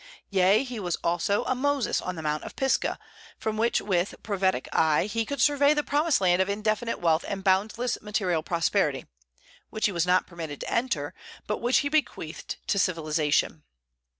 Yea, he was also a Moses on the mount of Pisgah, from which with prophetic eye he could survey the promised land of indefinite wealth and boundless material prosperity, which he was not permitted to enter, but which he had bequeathed to civilization.